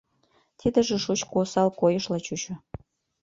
Тидыже шучко осал койышла чучо.